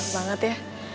enak banget ya